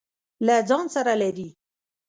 له ځان سره لري.